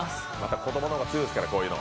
子供の方が強いですから、こういうの。